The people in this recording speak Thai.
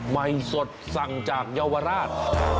ไวสดสั่งจากเยาวราช